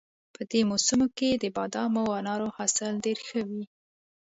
په دې موسم کې د بادامو او انارو حاصل ډېر ښه وي